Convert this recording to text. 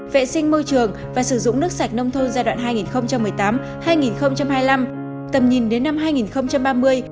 vệ sinh môi trường và sử dụng nước sạch nông thôn giai đoạn hai nghìn một mươi tám hai nghìn hai mươi năm tầm nhìn đến năm hai nghìn ba mươi